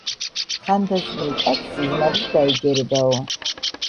ხანდაზმულ კაცს სიზმარიც დაეჯერებაო.